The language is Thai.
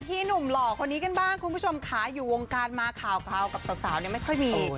หนุ่มหล่อคนนี้กันบ้างคุณผู้ชมค่ะอยู่วงการมาข่าวกับสาวเนี่ยไม่ค่อยมี